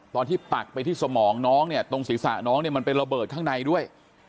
ตอนที่ปักไปที่สมองน้องเนี่ยตรงศีรษะน้องมันไประเบิดข้างในด้วย